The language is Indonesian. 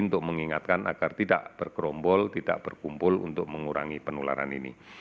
untuk mengingatkan agar tidak bergerombol tidak berkumpul untuk mengurangi penularan ini